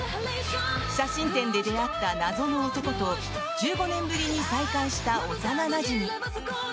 写真店で出会った謎の男と１５年ぶりに再会した幼なじみ。